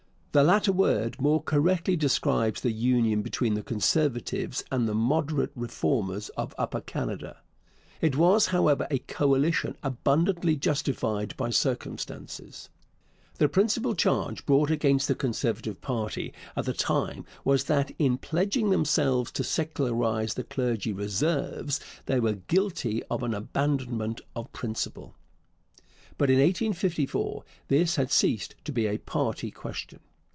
The latter word more correctly describes the union between the Conservatives and the Moderate Reformers of Upper Canada. It was, however, a coalition abundantly justified by circumstances. The principal charge brought against the Conservative party at the time was that in pledging themselves to secularize the Clergy Reserves they were guilty of an abandonment of principle. But in 1854 this had ceased to be a party question.